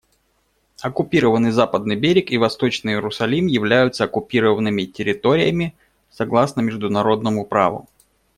Оккупированный Западный берег и Восточный Иерусалим являются оккупированными территориями, согласно международному праву.